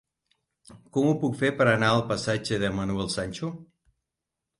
Com ho puc fer per anar al passatge de Manuel Sancho?